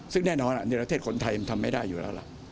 ซึ่งแน่นอนในประเทศคนไทยมันทำไม่ได้อยู่แล้วล่ะ